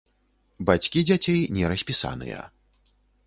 Бацькі дзяцей не распісаныя.